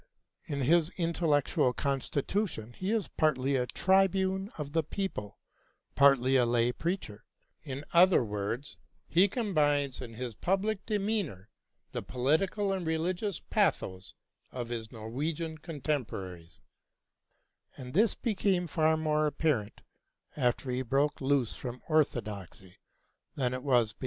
In his intellectual constitution he is partly a tribune of the people, partly a lay preacher; in other words, he combines in his public demeanor the political and religious pathos of his Norwegian contemporaries, and this became far more apparent after he broke loose from orthodoxy than it was before.